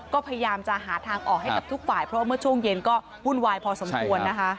ก็พยายามจะหาทางออกให้กับทุกฝ่ายเพราะว่าเมื่อช่วงเย็นก็วุ่นวายพอสมควรนะคะ